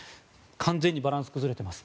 完全にバランスが崩れています。